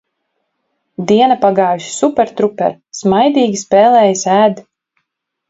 Diena pagājusi super truper - smaidīgi, spēlējas, ēd.